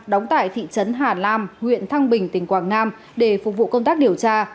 đóng tại thị trấn hà lam huyện thăng bình tỉnh quảng nam để phục vụ công tác điều tra